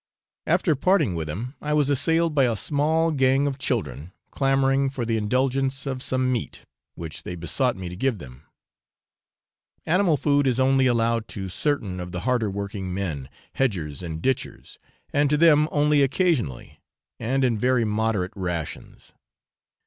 After parting with him, I was assailed by a small gang of children, clamouring for the indulgence of some meat, which they besought me to give them. Animal food is only allowed to certain of the harder working men, hedgers and ditchers, and to them only occasionally, and in very moderate rations.